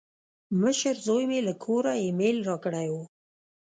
مشر زوی مې له کوره ایمیل راکړی و.